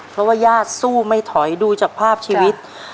เพราะว่าญาติสู้ไม่ถอยดูจากภาพชีวิต